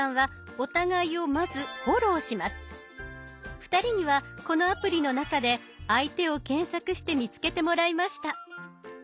２人にはこのアプリの中で相手を検索して見つけてもらいました。